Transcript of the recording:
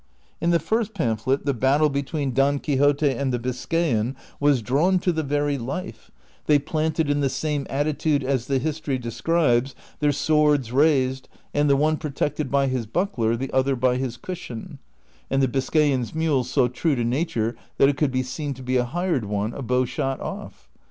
In the first pamphlet the battle between Don Quixote and the Biscayan was drawn to the very life, they planted in the same attitude as the history describes, their swords raised, and the one protected by his buckler, the other by his cushion, and the Biscayan's mi; le so true to nature that it could be seen to be a hired one a bowshot off.